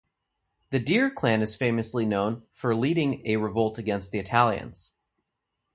The Dir clan is famously known for leading a revolt against the Italians.